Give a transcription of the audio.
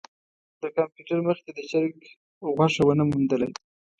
د کمپیوټر مخې ته د چرک غوښه ونه موندله.